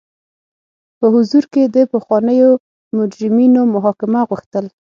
په حضور کې د پخوانیو مجرمینو محاکمه غوښتل.